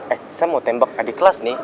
eh saya mau tembak adik kelas nih